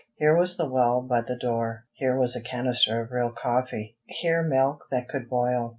Here was the well by the door; here was a canister of real coffee; here milk that could boil.